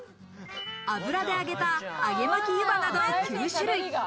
油で揚げた揚巻ゆばなど９種類。